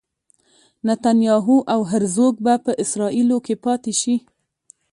نتنیاهو او هرزوګ به په اسرائیلو کې پاتې شي.